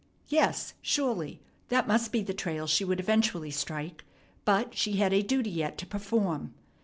Yes, surely, that must be the trail she would eventually strike; but she had a duty yet to perform.